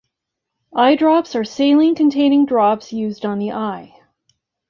Eye drops are saline-containing drops used on the eye.